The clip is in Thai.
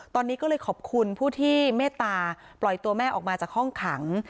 ตอนนี้ก็เลยขอบคุณผู้ที่เมตตาปล่อยตัวแม่ออกมาจากห้องขัง